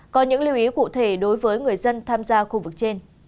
có những lưu ý cụ thể đối với người dân tham gia khu vực trên